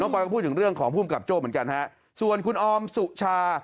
ปอยก็พูดถึงเรื่องของภูมิกับโจ้เหมือนกันฮะส่วนคุณออมสุชา